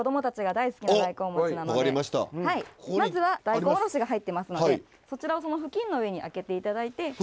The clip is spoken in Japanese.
まずは大根おろしが入ってますのでそちらをその布巾の上にあけて頂いて。